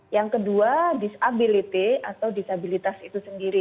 yang kedua disability atau disabilitas itu sendiri